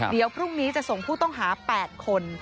เดี๋ยวพรุ่งนี้จะส่งผู้ต้องหา๘คน